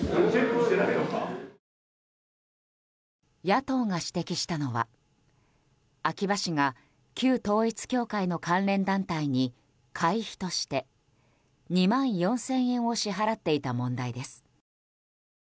野党が指摘したのは秋葉氏が旧統一教会の関連団体に会費として２万４０００円を支払っていた問題です。